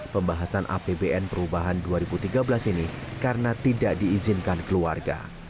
pembahasan apbn perubahan dua ribu tiga belas ini karena tidak diizinkan keluarga